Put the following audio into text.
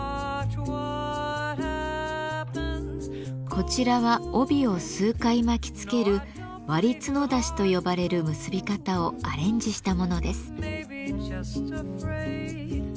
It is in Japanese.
こちらは帯を数回巻きつける「割角出し」と呼ばれる結び方をアレンジしたものです。